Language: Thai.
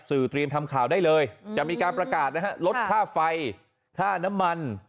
สื่อเตรียมทำข่าวได้เลยจะมีการประกาศนะฮะลดค่าไฟค่าน้ำมัน